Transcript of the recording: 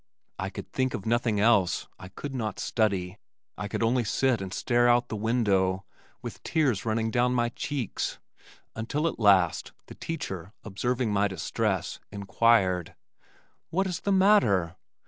I could think of nothing else. I could not study, I could only sit and stare out of the window with tears running down my cheeks, until at last, the teacher observing my distress, inquired, "What is the matter?"